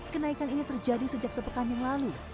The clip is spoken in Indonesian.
kenaikan ini terjadi sejak sepekan yang lalu